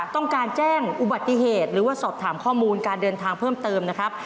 ต้องการแจ้งอุบัติเหตุหรือว่าสอบถามข้อมูลการเดินทางเพิ่มเติมนะครับ